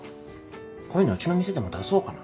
こういうのうちの店でも出そうかな。